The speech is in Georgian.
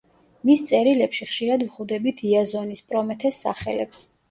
მის წერილებში ხშირად ვხვდებით იაზონის, პრომეთეს სახელებს.